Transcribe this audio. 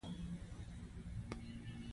کچالو له شنو مرچو سره ښه خوري